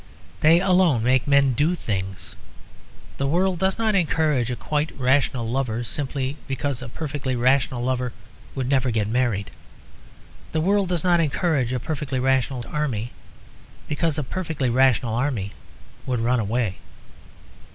They alone make men do things. The world does not encourage a quite rational lover, simply because a perfectly rational lover would never get married. The world does not encourage a perfectly rational army, because a perfectly rational army would run away.